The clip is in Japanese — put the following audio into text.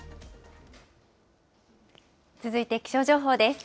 続いて気象情報です。